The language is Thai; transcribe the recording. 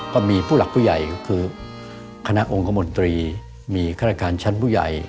ก็มีผู้หลักผู้ใหญ่ก็คือคณะองค์คมนตรีมีข้าราชการชั้นผู้ใหญ่